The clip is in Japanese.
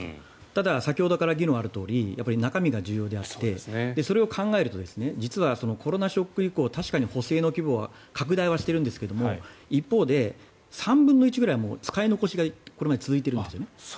ただ先ほどから議論があるように中身が重要であってそれを考えると実はコロナショック以降確かに補正の規模は拡大はしてるんですけども一方で、３分の１ぐらい使い残しがこれまで続いているんですね。